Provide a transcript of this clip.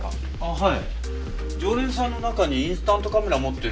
はい。